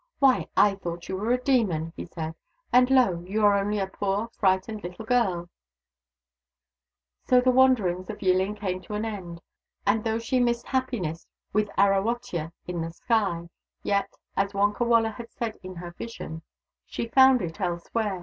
'' Why, I thought you a demon," he said —" and lo ! you are only a poor, frightened little girl !" So the wanderings of Yillin came to an end, and though she missed happiness with Arawotya in the sky, yet, as Wonkawala had said in her vision, she 192 THE DAUGHTERS OF WONKA WALA found it elsewhere.